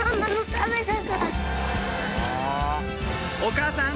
お母さん！